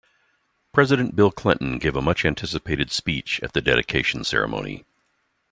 President Bill Clinton gave a much-anticipated speech at the dedication ceremony.